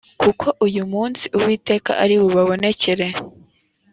kuko uyu munsi uwiteka ari bubabonekere